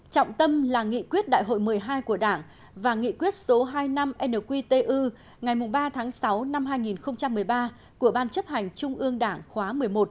trọng tâm là nghị quyết đại hội một mươi hai của đảng và nghị quyết số hai mươi năm nqtu ngày ba tháng sáu năm hai nghìn một mươi ba của ban chấp hành trung ương đảng khóa một mươi một